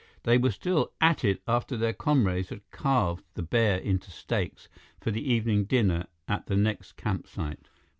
They were still at it after their comrades had carved the bear into steaks for the evening dinner at the next campsite.